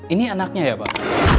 ini anaknya ya pak